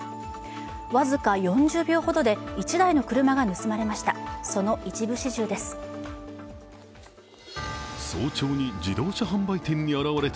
僅か４０秒ほどで１台の車が盗まれました。